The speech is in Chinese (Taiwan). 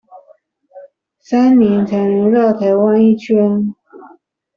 三年才能繞台灣一圈